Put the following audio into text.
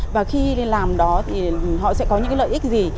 và khi đi làm đó thì họ sẽ có những lợi ích gì